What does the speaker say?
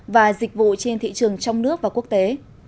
và dịch vụ trên thị trường trong nước và quốc tế